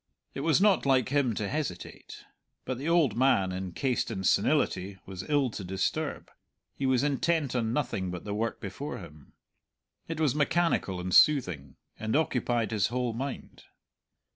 It was not like him to hesitate. But the old man, encased in senility, was ill to disturb; he was intent on nothing but the work before him; it was mechanical and soothing, and occupied his whole mind.